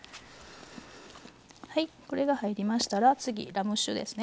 はいこれが入りましたら次ラム酒ですね